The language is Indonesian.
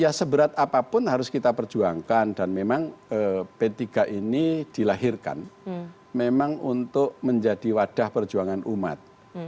ya seberat apapun harus kita perjuangkan dan memang p tiga ini dilahirkan memang untuk menjadi wadah perjuangan umat